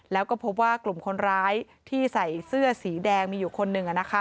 แล้วก็พบว่ากลุ่มคนร้ายที่ใส่เสื้อสีแดงมีอยู่คนหนึ่ง